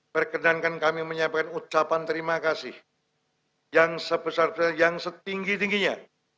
perkenankan kami menyampaikan ucapan terima kasih yang setinggi tingginya